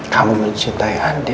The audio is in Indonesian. kamu mencintai andi